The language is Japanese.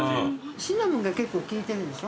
シナモンが結構効いてるでしょ？